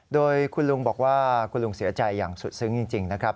โดยคุณลุงบอกว่าคุณลุงเสียใจอย่างสุดซึ้งจริงนะครับ